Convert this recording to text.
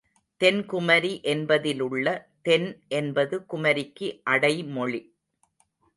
தென்குமரி என்பதிலுள்ள தென் என்பது குமரிக்கு அடைமொழி.